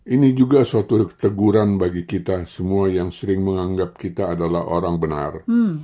ini juga suatu teguran bagi kita semua yang sering menganggap kita adalah orang benar